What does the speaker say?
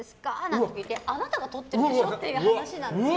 って聞いてあなたがとってるでしょ？っていう話なんですよ。